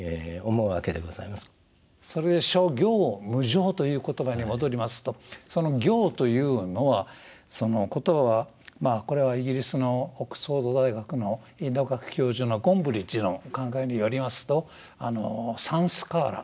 それで「諸行無常」という言葉に戻りますとその「行」というのはその言葉はこれはイギリスのオックスフォード大学のインド学教授のゴンブリッチの考えによりますとサンスカーラ。